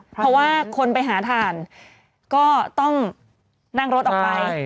เพราะว่าคนไปหาถ่านก็ต้องนั่งรถออกไป